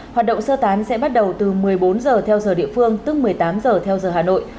hoạt động sơ tán sẽ bắt đầu từ một mươi bốn giờ theo giờ địa phương tức một mươi tám giờ theo giờ hà nội